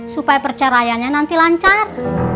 supaya perceraian nya nanti lancar